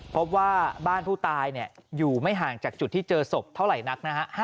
พบว่าบ้านผู้ตายอยู่ไม่ห่างจากจุดที่เจอศพเท่าไหร่นักนะฮะ